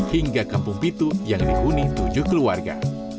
hingga kampung pitu yang dihuni tujuh keluarga